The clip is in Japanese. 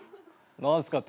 何すか？